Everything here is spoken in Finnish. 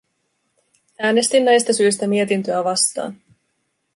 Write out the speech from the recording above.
Äänestin näistä syistä mietintöä vastaan.